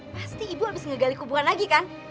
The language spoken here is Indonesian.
pasti ibu abis ngegali kuburan lagi kan